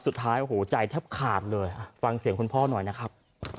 สุดท้ายโอ้โหใจแทบขาดเลยฟังเสียงคุณพ่อหน่อยนะครับ